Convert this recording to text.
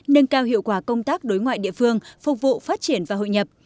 nâng cao hiệu quả công tác đối ngoại địa phương phục vụ phát triển và hội nhập